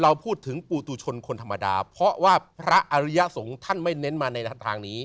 เราพูดถึงปูตุชนคนธรรมดาเพราะว่าพระอริยสงฆ์ท่านไม่เน้นมาในทางนี้